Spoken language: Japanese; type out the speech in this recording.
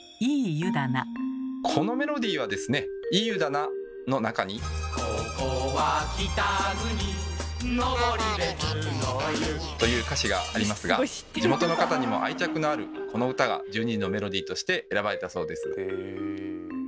このメロディーはですね「いい湯だな」の中にという歌詞がありますが地元の方にも愛着のあるこの歌が１２時のメロディーとして選ばれたそうです。